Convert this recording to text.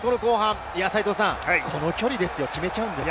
この距離、決めちゃうんですよ。